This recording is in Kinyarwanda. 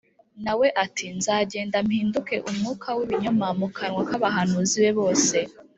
Na we ati ‘Nzagenda mpinduke umwuka w’ibinyoma mu kanwa k’abahanuzi be bose’